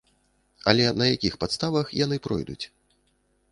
Але на якіх падставах яны пройдуць?